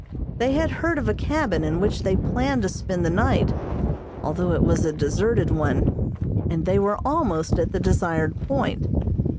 They had heard of a cabin in which they planned to spend the night, although it was a deserted one, and they were almost at the desired point.